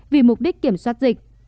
vì mục đích kiểm soát dịch